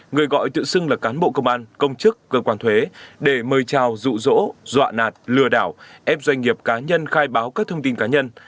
người gọi tự xưng là cán bộ công an công chức cơ quan thuế để mời chào rụ rỗ dọa nạt lừa đảo ép doanh nghiệp cá nhân khai báo các thông tin cá nhân